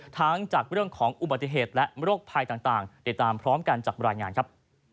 ทั้งจากเรื่องของอุบัติเหตุและโรคภัยต่างติดตามพร้อมกันจากรายงานครับ